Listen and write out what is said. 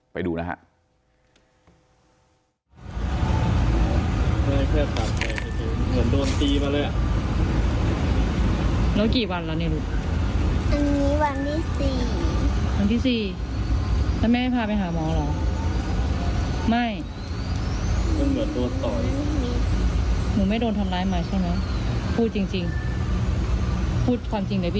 ไปดูนะครับ